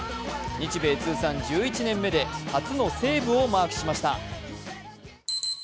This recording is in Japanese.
日米通算１１年目で初のセーブをマークしました。